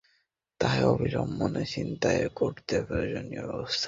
তাই অবিলম্বে ছিনতাই রোধ করতে প্রয়োজনীয় ব্যবস্থা নিতে সংশ্লিষ্ট কর্তৃপক্ষকে অনুরোধ করছি।